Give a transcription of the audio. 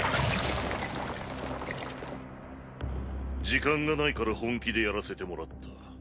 時間がないから本気でやらせてもらった。